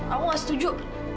aku nggak setuju